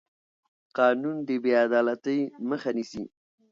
قانون د بې عدالتۍ مخه نیسي